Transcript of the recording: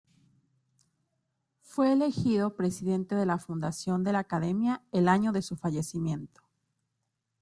Fue elegido Presidente de la Fundación de la Academia el año de su fallecimiento.